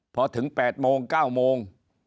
พอถึง๘โมง๙โมง